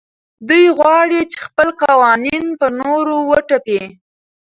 دوی غواړي خپل قوانین پر نورو وتپي.